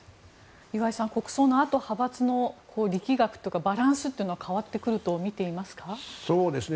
岩井さん、国葬のあと派閥の力学というかバランスというのは変わってくると見ていますか？